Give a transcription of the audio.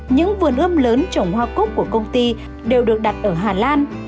những vườn ươm lớn trồng hoa cúc của công ty đều được đặt ở hà lan